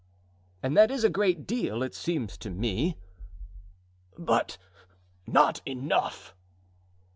"And that is a great deal, it seems to me." "But not enough."